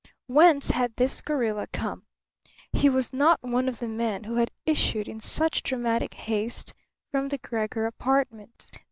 Whence had this gorilla come? He was not one of the men who had issued in such dramatic haste from the Gregor apartment.